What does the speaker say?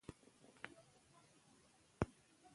بادي انرژي د افغانستان د امنیت په اړه هم پوره اغېز لري.